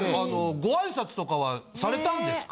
ご挨拶とかはされたんですか？